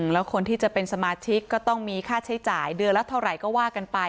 แล้วคนที่จะเป็นสมาชิกก็ต้องมีค่าใช้จ่ายเดือนละเท่าไหร่ก็ว่ากันไป